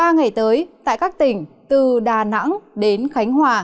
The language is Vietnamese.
ba ngày tới tại các tỉnh từ đà nẵng đến khánh hòa